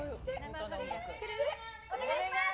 お願いします。